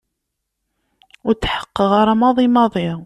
Ur tḥeqqeɣ ara maḍi maḍi.